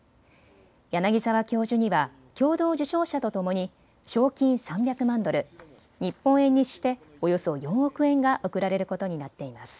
柳沢教授には共同受賞者とともに賞金３００万ドル、日本円にしておよそ４億円が贈られることになっています。